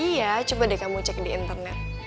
iya coba deh kamu cek di internet